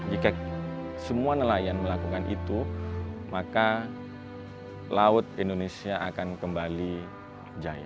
jika semua nelayan melakukan itu maka laut indonesia akan kembali jaya